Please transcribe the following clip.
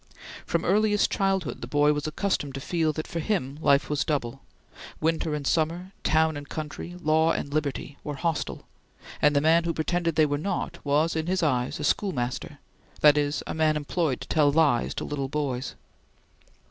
From earliest childhood the boy was accustomed to feel that, for him, life was double. Winter and summer, town and country, law and liberty, were hostile, and the man who pretended they were not, was in his eyes a schoolmaster that is, a man employed to tell lies to little boys.